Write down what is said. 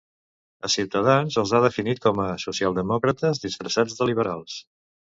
A Ciutadans els ha definit com a "socialdemòcrates disfressats de liberals".